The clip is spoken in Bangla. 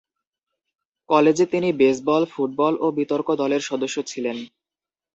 কলেজে তিনি বেসবল, ফুটবল এবং বিতর্ক দলের সদস্য ছিলেন।